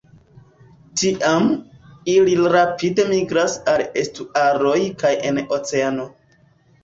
Tiam, ili rapide migras al estuaroj kaj en oceanon.